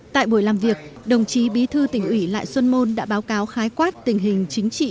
tại buổi làm việc đồng chí bí thư tỉnh ủy lại xuân môn đã báo cáo khái quát tình hình chính trị